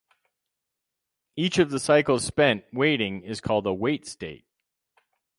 Each of the cycles spent waiting is called a wait state.